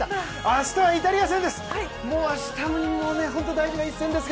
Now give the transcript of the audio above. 明日はイタリア戦です。